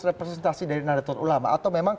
representasi dari nahdlatul ulama atau memang